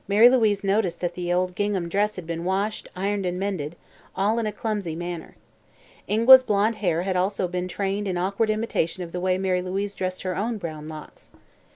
Mary Louise noticed that the old gingham dress had been washed, ironed and mended all in a clumsy manner. Ingua's blond hair had also been trained in awkward imitation of the way Mary Louise dressed her own brown locks.